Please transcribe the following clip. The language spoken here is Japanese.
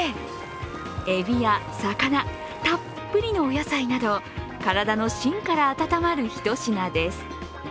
エビや魚、たっぷりのお野菜など、体の芯から温まる一品です。